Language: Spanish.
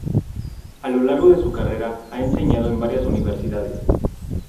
A lo largo de su carrera ha enseñado en varias universidades.